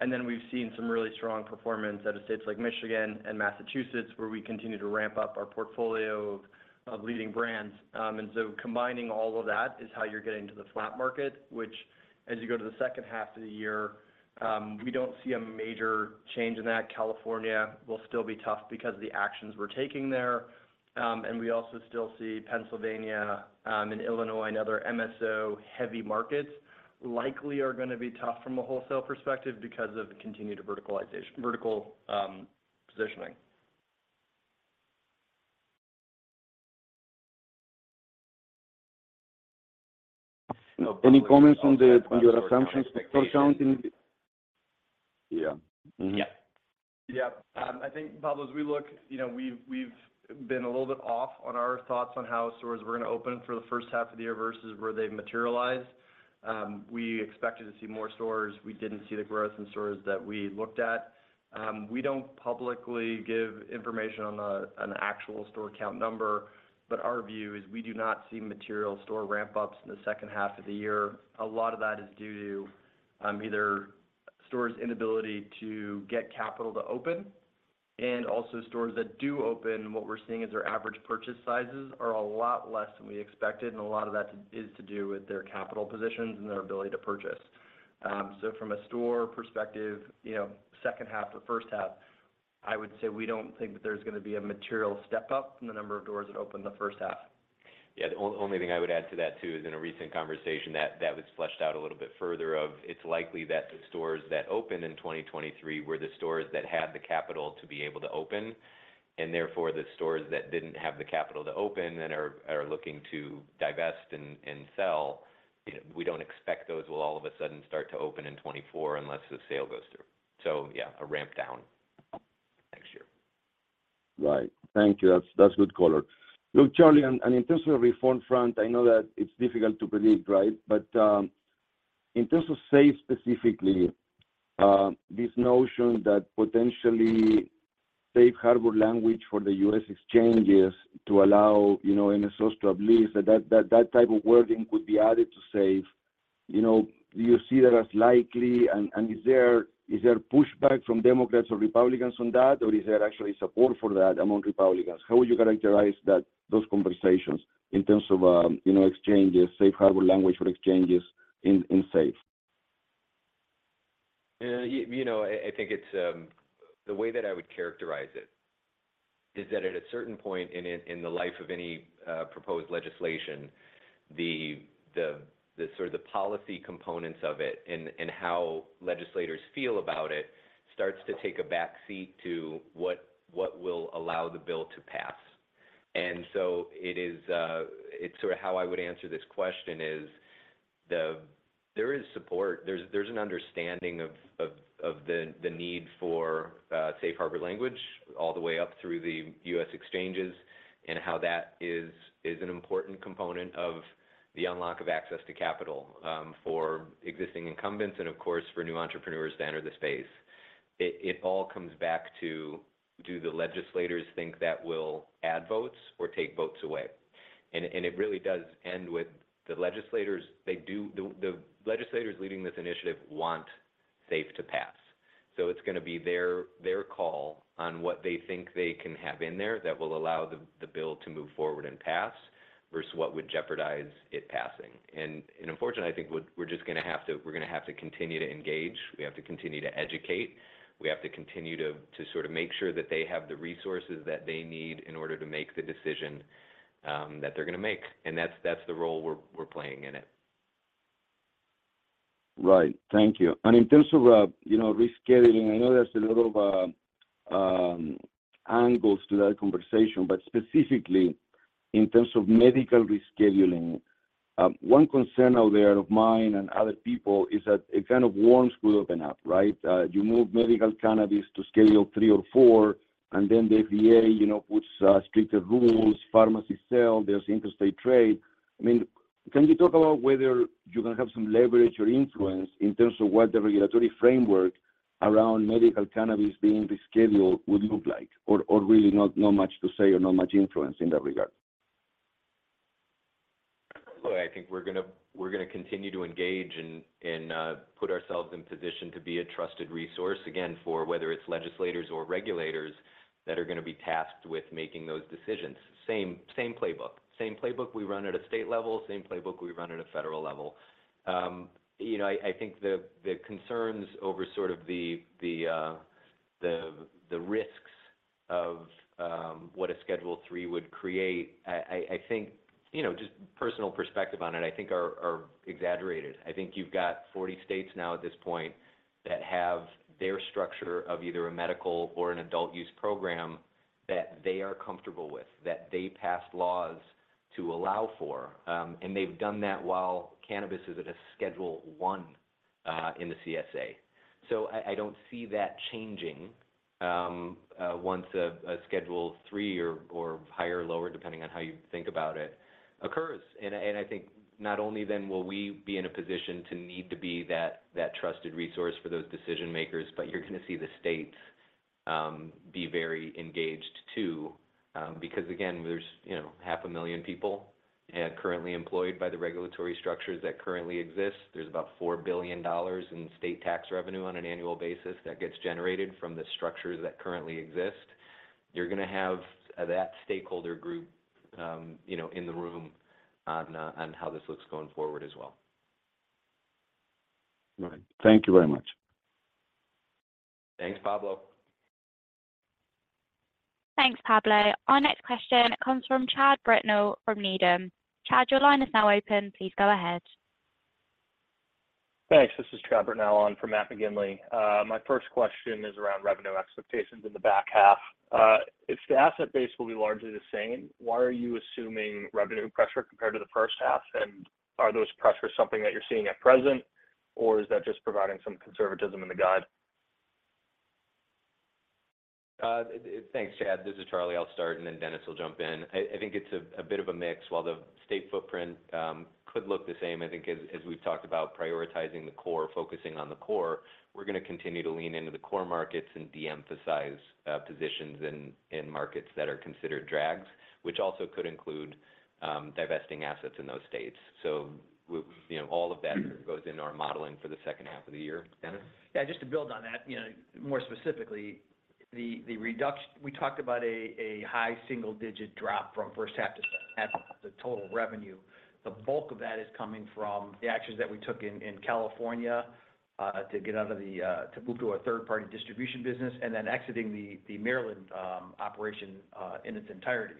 Then we've seen some really strong performance out of states like Michigan and Massachusetts, where we continue to ramp up our portfolio of, of leading brands. So combining all of that is how you're getting to the flat market, which as you go to the second half of the year, we don't see a major change in that. California will still be tough because of the actions we're taking there, and we also still see Pennsylvania and Illinois and other MSO-heavy markets likely are gonna be tough from a wholesale perspective because of the continued verticalization-- vertical positioning. Any comments on the, your assumptions for counting? Yeah. Mm-hmm. Yeah. Yeah. I think, Pablo, as we look, you know, we've, we've been a little bit off on our thoughts on how stores were gonna open for the first half of the year versus where they've materialized. We expected to see more stores. We didn't see the growth in stores that we looked at. We don't publicly give information on, an actual store count number, but our view is we do not see material store ramp-ups in the second half of the year. A lot of that is due to, either stores' inability to get capital to open, and also stores that do open, what we're seeing is their average purchase sizes are a lot less than we expected, and a lot of that is to do with their capital positions and their ability to purchase. From a store perspective, you know, second half to first half, I would say we don't think that there's gonna be a material step-up from the number of doors that opened the first half. Yeah. The only thing I would add to that, too, is in a recent conversation that, that was fleshed out a little bit further, of it's likely that the stores that opened in 2023 were the stores that had the capital to be able to open. Therefore, the stores that didn't have the capital to open and are, are looking to divest and, and sell, you know, we don't expect those will all of a sudden start to open in 2024 unless the sale goes through. Yeah, a ramp down next year. Right. Thank you. That's, that's good color. Look, Charlie, and in terms of reform front, I know that it's difficult to believe, right? In terms of SAFE specifically, this notion that potentially safe harbor language for the U.S. exchanges to allow, you know, MSOs to uplist, that, that, that type of wording could be added to SAFE. You know, do you see that as likely, and, and is there, is there pushback from Democrats or Republicans on that, or is there actually support for that among Republicans? How would you characterize those conversations in terms of, you know, exchanges, safe harbor language for exchanges in, in SAFE? You know, I, I think it's. The way that I would characterize it is that at a certain point in, in the life of any proposed legislation, the, the, the sort of the policy components of it and, and how legislators feel about it, starts to take a backseat to what, what will allow the bill to pass. It is sort of how I would answer this question is, there is support. There's, there's an understanding of, of, of the, the need for safe harbor language all the way up through the U.S. exchanges, and how that is, is an important component of the unlock of access to capital for existing incumbents and, of course, for new entrepreneurs to enter the space. It all comes back to: Do the legislators think that will add votes or take votes away? It really does end with the legislators. The legislators leading this initiative want SAFE to pass, so it's gonna be their call on what they think they can have in there that will allow the bill to move forward and pass, versus what would jeopardize it passing. Unfortunately, I think what we're just gonna have to continue to engage. We have to continue to educate. We have to continue to sort of make sure that they have the resources that they need in order to make the decision, that they're gonna make, and that's the role we're playing in it. Right. Thank you. In terms of, you know, rescheduling, I know there's a lot of angles to that conversation, but specifically in terms of medical rescheduling, one concern out there of mine and other people, is that it can of worms would open up, right? You move medical cannabis to Schedule III or IV, and then the FDA, you know, puts stricter rules, pharmacy sell, there's interstate trade. I mean, can you talk about whether you're gonna have some leverage or influence in terms of what the regulatory framework around medical cannabis being rescheduled would look like? Or, or really not, not much to say or not much influence in that regard. Well, I think we're gonna, we're gonna continue to engage and, and put ourselves in position to be a trusted resource, again, for whether it's legislators or regulators that are gonna be tasked with making those decisions. Same, same playbook. Same playbook we run at a state level, same playbook we run at a federal level. You know, I, I think the, the concerns over sort of the, the, the risks of what a Schedule III would create, I, I, I think, you know, just personal perspective on it, I think are exaggerated. I think you've got 40 states now at this point, that have their structure of either a medical or an adult use program that they are comfortable with, that they passed laws to allow for. They've done that while cannabis is at a Schedule I in the CSA. I, I don't see that changing, once a Schedule III or, or higher or lower, depending on how you think about it, occurs. I, and I think not only then will we be in a position to need to be that, that trusted resource for those decision makers, but you're gonna see the states, be very engaged, too. Again, there's, you know, half a million people, currently employed by the regulatory structures that currently exist. There's about $4 billion in state tax revenue on an annual basis that gets generated from the structures that currently exist. You're gonna have, that stakeholder group, you know, in the room on, how this looks going forward as well. Right. Thank you very much. Thanks, Pablo. Thanks, Pablo. Our next question comes from Chad Britnell from Needham. Chad, your line is now open. Please go ahead. Thanks. This is Chad Britnell on for Matt McGinley. My first question is around revenue expectations in the back half. If the asset base will be largely the same, why are you assuming revenue pressure compared to the first half? Are those pressures something that you're seeing at present, or is that just providing some conservatism in the guide? Thanks, Chad. This is Charlie. I'll start, and then Dennis will jump in. I, I think it's a, a bit of a mix. While the state footprint could look the same, I think as, as we've talked about prioritizing the core, focusing on the core, we're gonna continue to lean into the core markets and de-emphasize positions in markets that are considered drags, which also could include divesting assets in those states. You know, all of that goes into our modeling for the second half of the year. Dennis? Yeah, just to build on that, you know, more specifically, the reduc- we talked about a high single-digit drop from first half to second half, the total revenue. The bulk of that is coming from the actions that we took in California to get out of the to move to a third-party distribution business and then exiting the Maryland operation in its entirety.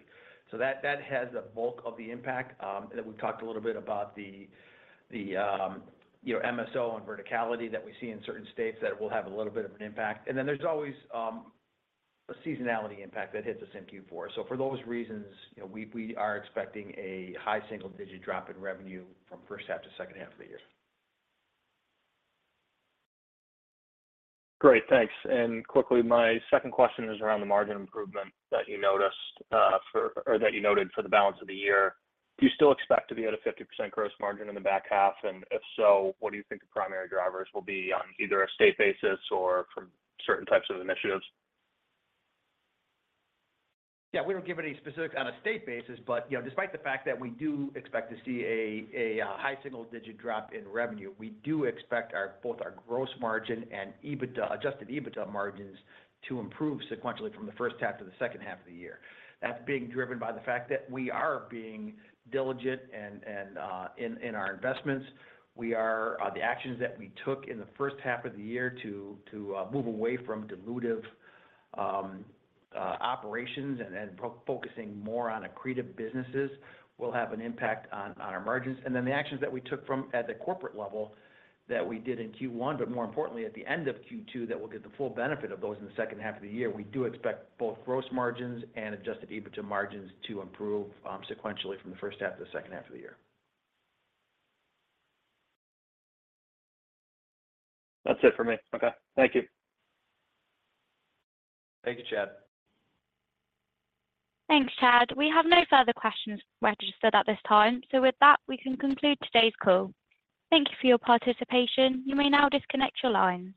That has the bulk of the impact. We talked a little bit about the, you know, MSO and verticality that we see in certain states that will have a little bit of an impact. There's always a seasonality impact that hits us in Q4. For those reasons, you know, we are expecting a high single-digit drop in revenue from first half to second half of the year. Great, thanks. Quickly, my second question is around the margin improvement that you noticed, or that you noted for the balance of the year. Do you still expect to be at a 50% gross margin in the back half? If so, what do you think the primary drivers will be on either a state basis or from certain types of initiatives? Yeah, we don't give any specifics on a state basis, but, you know, despite the fact that we do expect to see a, a high single-digit drop in revenue, we do expect our, both our gross margin and EBITDA, adjusted EBITDA margins to improve sequentially from the first half to the second half of the year. That's being driven by the fact that we are being diligent and, and in, in our investments. We are, the actions that we took in the first half of the year to, to move away from dilutive operations and, and focusing more on accretive businesses will have an impact on, on our margins. Then the actions that we took from at the corporate level that we did in Q1, but more importantly, at the end of Q2, that we'll get the full benefit of those in the second half of the year. We do expect both gross margins and adjusted EBITDA margins to improve, sequentially from the first half to the second half of the year. That's it for me. Okay, thank you. Thank you, Chad. Thanks, Chad. We have no further questions registered at this time. With that, we can conclude today's call. Thank you for your participation. You may now disconnect your lines.